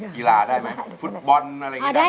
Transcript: กีฬาได้ไหมฟุตบอลอะไรอย่างนี้ได้